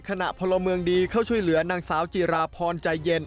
พลเมืองดีเข้าช่วยเหลือนางสาวจีราพรใจเย็น